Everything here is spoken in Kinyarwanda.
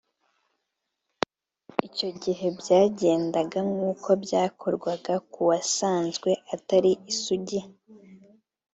Icyo gihe byagendaga nk’uko byakorwaga k’uwasanzwe atari isugi